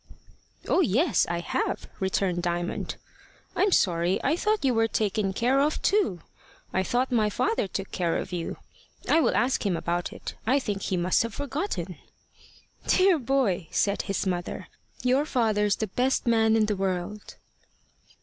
"Oh yes, I have," returned Diamond. "I'm sorry! I thought you were taken care of too. I thought my father took care of you. I will ask him about it. I think he must have forgotten." "Dear boy!" said his mother, "your father's the best man in the world."